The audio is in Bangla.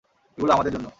এগুলো আমাদের জন্য।